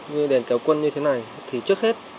như đèn kéo quân như thế này thì trước hết